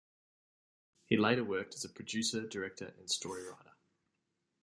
He later worked as a producer, director and storywriter.